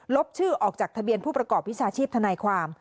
บชื่อออกจากทะเบียนผู้ประกอบวิชาชีพทนายความ